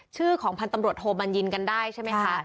ชื่อของพันธุ์ตำรวจโทบัญญินกันได้ใช่ไหมคะ